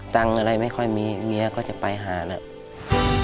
ตังค์อะไรไม่ค่อยมีเมียก็จะไปหาแล้ว